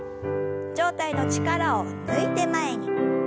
上体の力を抜いて前に。